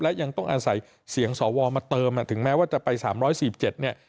และยังต้องอาศัยเสียงสวมาเติมถึงแม้ว่าจะไป๓๔๗เนี่ย